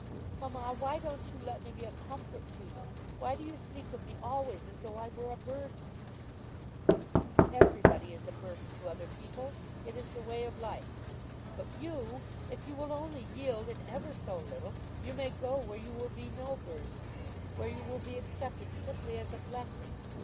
"Mamma, why don't you let me be a comfort to you? Why do you speak of me always as though I were a burden?" "Everybody is a burden to other people. It is the way of life. But you, if you will only yield in ever so little, you may go where you will be no burden, where you will be accepted simply as a blessing.